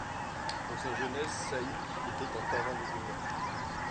Dans sa jeunesse, Shaikh était un fervent musulman.